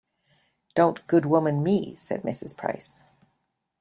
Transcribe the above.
"Don't 'good woman' me," said Mrs. Price.